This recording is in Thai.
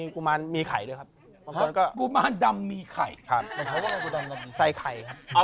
กุมารหมุนเนี่ย